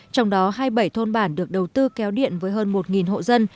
trong đó hai mươi bảy thôn bản được đầu tư kéo điện với hơn một hộ dân